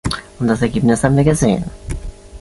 Und das Ergebnis haben wir gesehen.